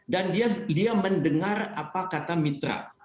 dan dia mendengar apa kata mitra